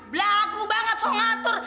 belaku banget so ngatur